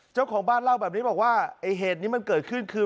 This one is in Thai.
เจ้าของบ้านเล่าแบบนี้บอกว่าไอ้เหตุนี้มันเกิดขึ้นคือ